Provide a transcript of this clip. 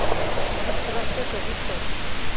যুক্তরাষ্ট্রে চতুর্থ।